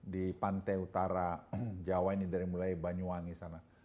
di pantai utara jawa ini dari mulai banyuwangi sana